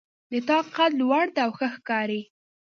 د تا قد لوړ ده او ښه ښکاري